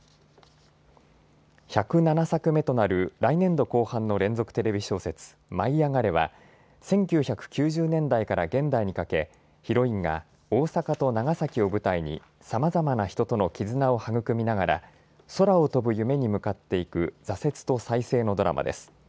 １０７作目となる来年度後半の連続テレビ小説、舞いあがれ！は１９９０年代から現代にかけ、ヒロインが大阪と長崎を舞台にさまざまな人との絆を育みながら空を飛ぶ夢に向かっていく挫折と再生のドラマです。